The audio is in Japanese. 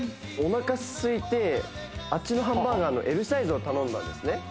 おなかすいてあっちのハンバーガーのＬサイズを頼んだんですね